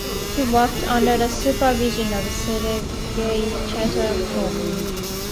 He worked under the supervision of Sergei Chetverikov.